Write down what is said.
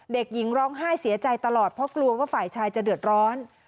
เด็กหญิงร้องไห้เสียใจตลอดเพราะกลัวว่าฝ่ายชายจะเดือดร้อน